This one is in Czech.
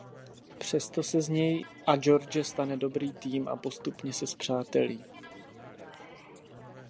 Přesto se z něj a George stane dobrý tým a postupně se spřátelí.